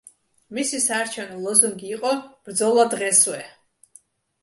მისი საარჩევნო ლოზუნგი იყო „ბრძოლა დღესვე“.